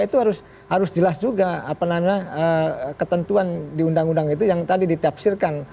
itu harus jelas juga ketentuan di undang undang itu yang tadi ditafsirkan